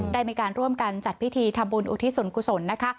ได้มีการร่วมกันจัดพิธีทำบุญอุทิศส่วนกุศลนะคะ